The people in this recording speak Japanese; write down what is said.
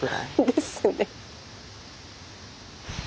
ですね。